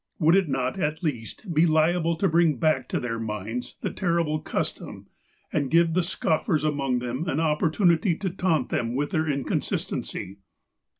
Would it not, at least, be liable to bring back to their minds the terrible custom, and give the scoffers among them an opportunity to taunt them with their inconsistency